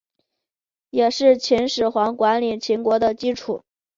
也是秦始皇管理秦国的基础。